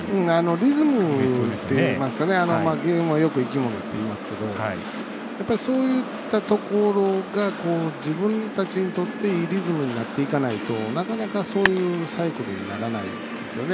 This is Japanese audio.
リズムといいますかゲームはよく生き物っていいますけどそういったところが自分たちにとっていいリズムになっていかないとなかなか、そういうサイクルにならないですよね。